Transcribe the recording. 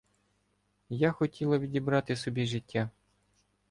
— Я хотіла відібрати собі життя.